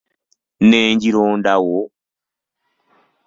Ne ngirondawo!